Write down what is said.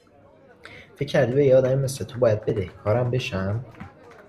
فکر کردی به یه آدمی مثل تو باید بدهکارم بشم؟